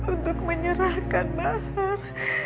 untuk menyerahkan mahal